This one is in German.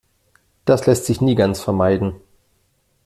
Das lässt sich nie ganz vermeiden.